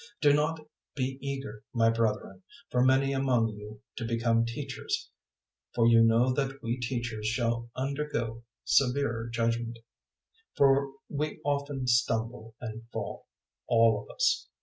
003:001 Do not be eager, my brethren, for many among you to become teachers; for you know that we teachers shall undergo severer judgement. 003:002 For we often stumble and fall, all of us.